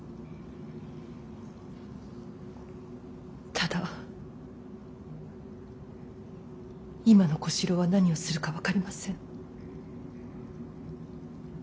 ただ今の小四郎は何をするか分かりません。